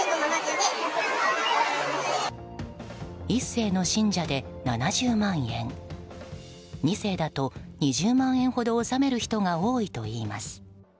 １世の信者で７０万円２世だと２０万円ほど納める人が多いといいます。